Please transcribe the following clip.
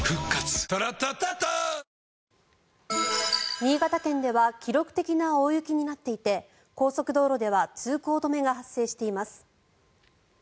新潟県では記録的な大雪になっていて高速道路では通行止めが発生しています。